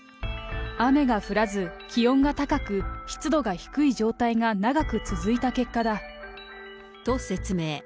雨が降らず、気温が高く、湿度が低い状態が長く続いた結果だ。と説明。